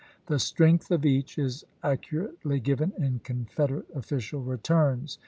The strength of each is accurately given in Confederate official returns.